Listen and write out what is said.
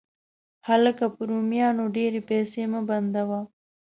هلکه، په رومیانو ډېرې پیسې مه بندوه.